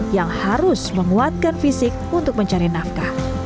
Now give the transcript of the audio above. yang harus menguatkan fisik untuk mencari nafkah